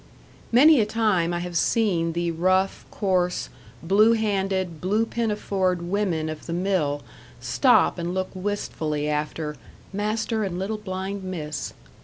Many a time I have seen the rough, coarse, blue handed, blue pinafored women of the mill stop and look wistfully after "master and little blind miss."